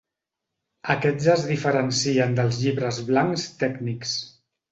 Aquests es diferencien dels llibres blancs tècnics.